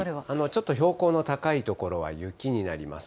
ちょっと標高の高い所は雪になります。